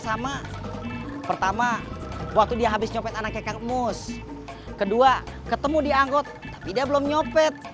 pertama pertama waktu dia habis nyopet anaknya kemus kedua ketemu dianggot tidak belum nyopet